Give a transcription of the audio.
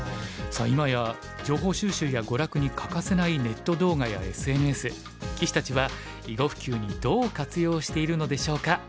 さあ今や情報収集や娯楽に欠かせないネット動画やＳＮＳ棋士たちは囲碁普及にどう活用しているのでしょうか。